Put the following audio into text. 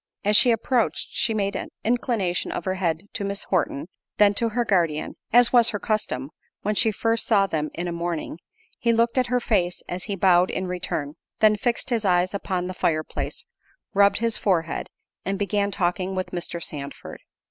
As she approached, she made an inclination of her head to Mrs. Horton, then to her guardian, as was her custom, when she first saw them in a morning—he looked in her face as he bowed in return, then fixed his eyes upon the fire place, rubbed his forehead, and began talking with Mr. Sandford.